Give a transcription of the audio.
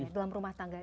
dalam rumah tangga